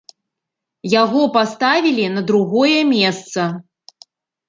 Яго паставілі на другое месца.